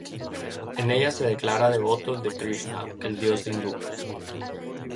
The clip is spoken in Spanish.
En ella se declara devoto de Krishna, el dios hindú.